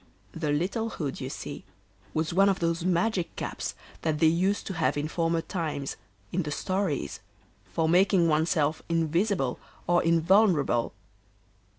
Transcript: The little hood, you see, was one of those magic caps that they used to have in former times, in the stories, for making oneself invisible or invulnerable.